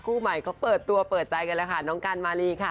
คู่ใหม่เขาเปิดตัวเปิดใจกันแล้วค่ะน้องกันมารีค่ะ